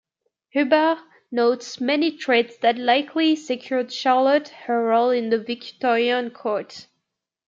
Hubbard notes many traits that likely secured Charlotte her role in the Victorian court.